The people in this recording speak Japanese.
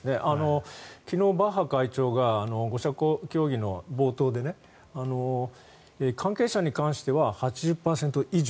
昨日、バッハ会長が５者協議の冒頭で関係者に関しては８０％以上。